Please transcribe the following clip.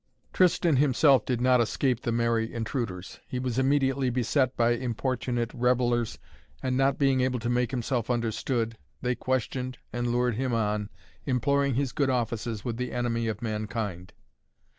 Tristan himself did not escape the merry intruders. He was immediately beset by importunate revellers, and not being able to make himself understood, they questioned and lured him on, imploring his good offices with the Enemy of Mankind.